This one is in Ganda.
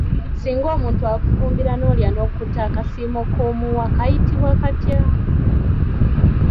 Singa omuntu akufumbira n'olya n'okkuta akasiimo k'omuwa kayitibwa katya?